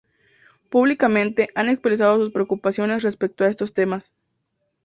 Públicamente ha expresado sus preocupaciones respecto a estos temas.